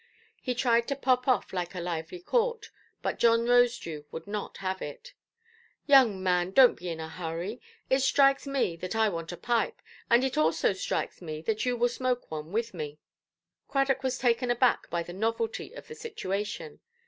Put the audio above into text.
He tried to pop off like a lively cork, but John Rosedew would not have it. "Young man, donʼt be in a hurry. It strikes me that I want a pipe; and it also strikes me that you will smoke one with me". Cradock was taken aback by the novelty of the situation.